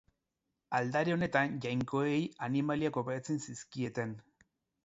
Aldare honetan jainkoei animaliak oparitzen zizkieten.